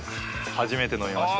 初めて飲みました。